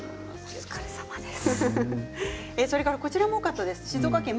お疲れさまです。